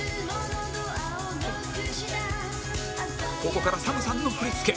ここから ＳＡＭ さんの振り付け